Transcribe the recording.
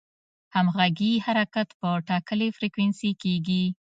همغږي حرکت په ټاکلې فریکونسي کېږي.